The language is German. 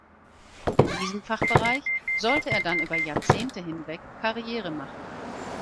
In diesem Fachbereich sollte er dann über Jahrzehnte hinweg Karriere machen.